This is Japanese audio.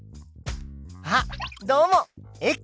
あっどうもです。